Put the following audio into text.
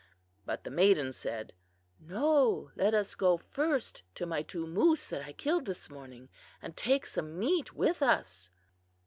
"But the maiden said, 'No, let us go first to my two moose that I killed this morning and take some meat with us.